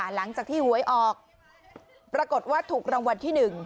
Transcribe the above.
หลังจากที่หวยออกปรากฏว่าถูกรางวัลที่๑